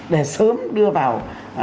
để sớm đưa vào